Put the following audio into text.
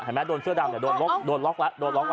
เห็นมั้ยโดนเสื้อดำโดนล็อกละ